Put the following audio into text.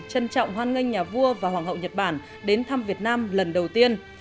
trân trọng hoan nghênh nhà vua và hoàng hậu nhật bản đến thăm việt nam lần đầu tiên